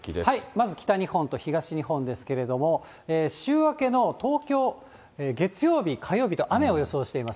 まず北日本と東日本ですけれども、週明けの東京、月曜日、火曜日と雨を予想しています。